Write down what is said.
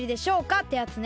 ってやつね。